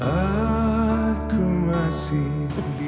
aku masih di